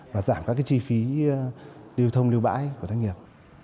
và giảm các chi phí điều thông điều bãi của doanh nghiệp